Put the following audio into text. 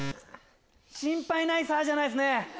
「心配ないさ」じゃないです。